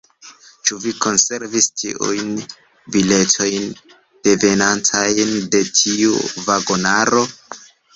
Ĉu vi konservis ĉiujn biletojn devenantajn de tiu vagonaro?